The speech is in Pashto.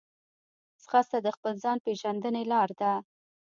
ځغاسته د خپل ځان پېژندنې لار ده